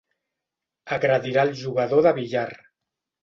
Agredirà el jugador de billar.